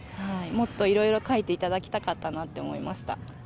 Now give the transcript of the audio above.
もっといろいろ描いていただきたかったなと思いました。